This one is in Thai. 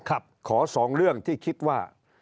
ขอสองเรื่องที่คิดว่า